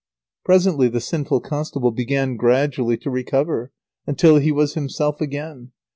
Presently the sinful constable began gradually to recover until he was himself again.